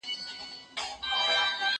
کېدای سي تمرين ستونزي ولري؟!